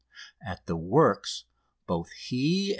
At the works both he and M.